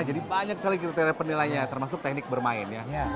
jadi banyak sekali kita lihat penilainya termasuk teknik bermain